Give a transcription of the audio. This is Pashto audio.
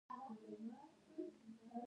د موټرو ځغلول یا ریسینګ هم مینه وال لري.